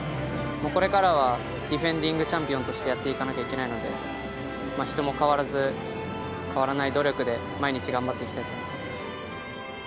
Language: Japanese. もうこれからは、ディフェンディングチャンピオンとしてやっていかないといけないので、変わらず、変わらない努力で毎日、頑張っていきたいと思っています。